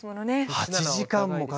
８時間もかけて。